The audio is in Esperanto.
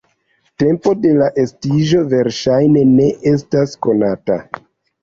Tempo de la estiĝo verŝajne ne estas konata.